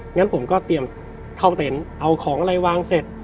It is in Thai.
งั้นผมก็เตรียมเข้าเต็นต์เอาของอะไรวางเสร็จ